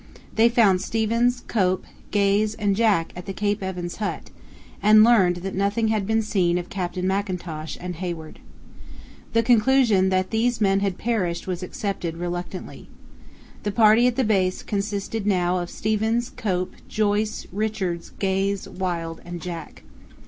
They found Stevens, Cope, Gaze, and Jack at the Cape Evans Hut, and learned that nothing had been seen of Captain Mackintosh and Hayward. The conclusion that these men had perished was accepted reluctantly. The party at the base consisted now of Stevens, Cope, Joyce, Richards, Gaze, Wild, and Jack.